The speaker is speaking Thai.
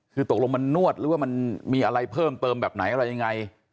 คือตกลงมันนวดหรือว่ามันมีอะไรเพิ่มเติมแบบไหนอะไรยังไง